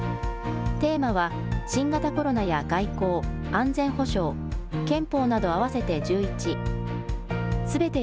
テーマは新型コロナや外交・安全保障、憲法など合わせて１１。